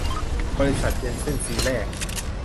บริษัทแจนเซ่นซีแลก